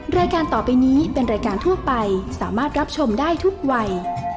รายการต่อไปนี้เป็นรายการทั่วไปสามารถรับชมได้ทุกวัย